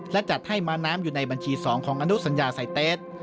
และจัดให้ม้าน้ำอยู่ในบัญชี๒ของอนุสัญญาไซเตส